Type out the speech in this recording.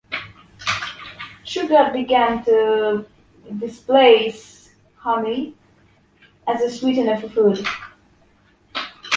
Sugar began to displace honey as a sweetener for food.